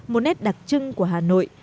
một nét đặc trưng của hà nội